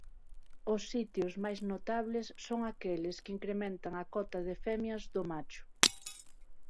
Os sitios máis notables son aqueles que incrementan a cota de femias do macho.